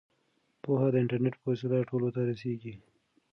پوهه د انټرنیټ په وسیله ټولو ته رسیږي.